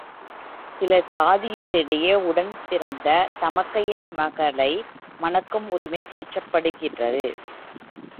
சில சாதியாரிடையே உடன்பிறந்த தமக்கையின் மகளை மணக்கும் உரிமை போற்றப்படுகிறது.